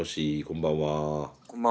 こんばんは。